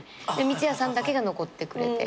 三ツ矢さんだけが残ってくれて。